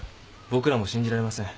僕らも信じられません。